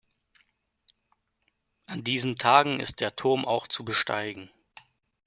An diesen Tagen ist der Turm auch zu besteigen.